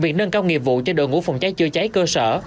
trong nghiệp vụ cho đội ngũ phòng cháy chữa cháy cơ sở